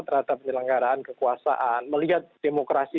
terhadap penyelenggaraan kekuasaan melihat demokrasi